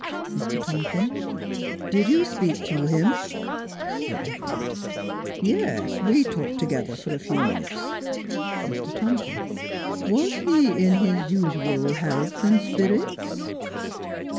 Mr. Tomplin : Did you speak to him 1 Sir Everard : Yes, we talked together for a few minutes. Mr. Tomplin : "Was he in his usual health and spirits